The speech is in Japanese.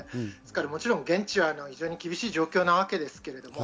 もちろん現地は非常に厳しい状況なわけです。